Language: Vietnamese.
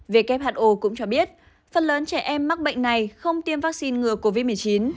who cũng cho biết phần lớn trẻ em mắc bệnh này không tiêm vaccine ngừa covid một mươi chín